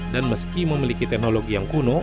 dan meski memiliki teknologi yang kuno